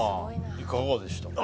いかがでしたか？